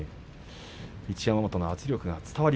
一山本の圧力が伝わり